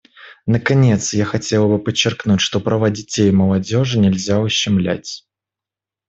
Наконец, я хотела бы подчеркнуть, что права детей и молодежи нельзя ущемлять.